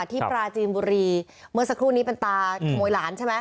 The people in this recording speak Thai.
ปราจีนบุรีเมื่อสักครู่นี้เป็นตาขโมยหลานใช่ไหม